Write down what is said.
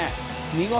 見事！